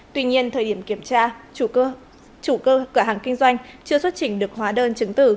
tuy nhiên thời điểm kiểm tra chủ cơ hàng kinh doanh chưa xuất trình được hóa đơn chứng tử